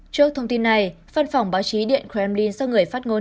trước thông tin này văn phòng báo chí điện kremlin do người phát ngôn